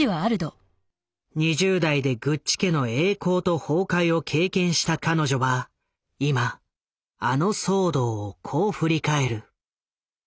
２０代でグッチ家の栄光と崩壊を経験した彼女は今あの騒動をこう振り返る。